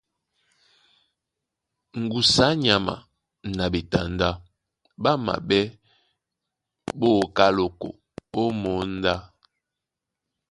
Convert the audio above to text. Ŋgusu á nyama na ɓetandá ɓá maɓɛ́ ɓá oká loko ó mǒndá.